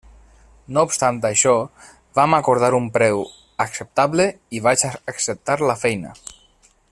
No obstant això, vam acordar un preu acceptable i vaig acceptar la feina.